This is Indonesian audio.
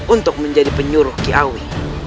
untuk menjadi penyuruh kiawi